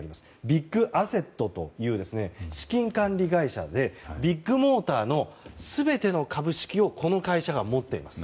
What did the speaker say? ビッグアセットという資金管理会社でビッグモーターの全ての株式をこの会社が持っています。